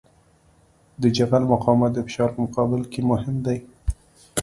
د جغل مقاومت د فشار په مقابل کې مهم دی